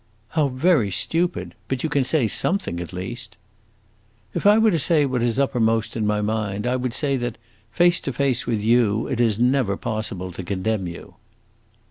"How very stupid! But you can say something at least." "If I were to say what is uppermost in my mind, I would say that, face to face with you, it is never possible to condemn you."